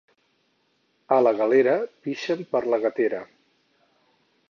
A la Galera pixen per la gatera.